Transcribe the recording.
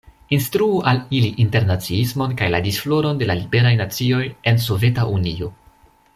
Instruu al ili internaciismon kaj la disfloron de la liberaj nacioj en Soveta Unio.